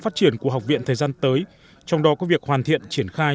phát triển của học viện thời gian tới trong đó có việc hoàn thiện triển khai